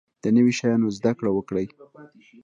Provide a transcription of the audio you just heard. د نوي شیانو زده کړه وکړئ